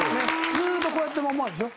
ずっとこうやったままでしょ？